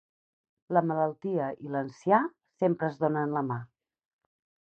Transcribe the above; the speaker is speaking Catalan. La malaltia i l'ancià sempre es donen la mà.